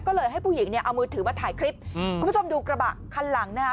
ก็เลยให้ผู้หญิงเนี่ยเอามือถือมาถ่ายคลิปอืมคุณผู้ชมดูกระบะคันหลังนะฮะ